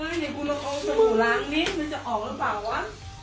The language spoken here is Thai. มันจะออกหรือเปล่าวะ